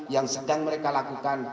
yang sedang mereka lakukan